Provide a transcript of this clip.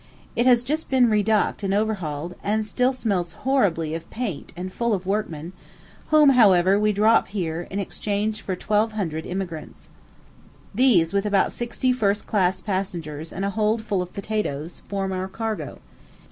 It has just been re docked and overhauled, and still smells horribly of paint and full of workmen, whom, however, we drop here, in exchange for 1,200 emigrants. These, with about sixty first class passengers and a hold full of potatoes, form our cargo.